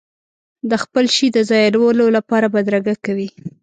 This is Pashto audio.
د خپل شي د ځایولو لپاره بدرګه کوي.